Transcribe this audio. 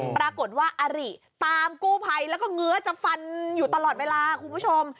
ปรากฏว่าอาริตามกู้ภัยแล้วก็เงื้อจะฟันอยู่ตลอดเวลาคุณผู้ชม